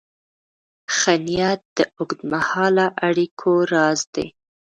ښه نیت د اوږدمهاله اړیکو راز دی.